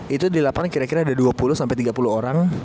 itu di lapangan kira kira ada dua puluh sampai tiga puluh orang